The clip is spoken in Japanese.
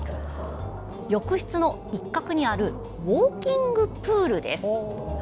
浴室の一角にあるウォーキングプールです。